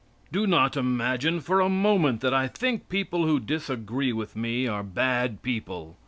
Do not imagine for a moment that I think people who disagree with me are bad people.